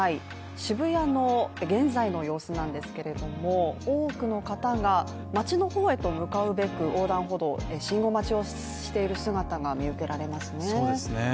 渋谷の現在の様子なんですけれども、多くの人たちが街の方へと向かうべく横断歩道で信号待ちをしている姿が見受けられますね